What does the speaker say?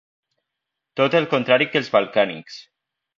Tot el contrari que els balcànics.